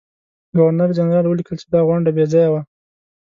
ګورنرجنرال ولیکل چې دا غونډه بې ځایه وه.